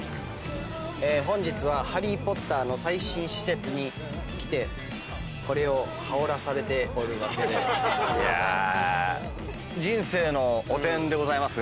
本日は『ハリー・ポッター』の最新施設に来てこれを羽織らされておるわけでございます。